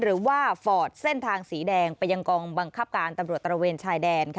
ฟอร์ดเส้นทางสีแดงไปยังกองบังคับการตำรวจตระเวนชายแดน